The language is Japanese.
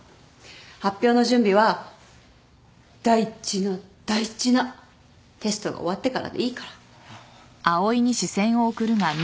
発表の準備は大事な大事なテストが終わってからでいいから。